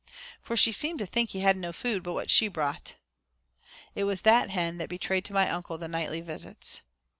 For she seemed to think he had no food but what she brought. It was that hen that betrayed to my uncle the nightly visits.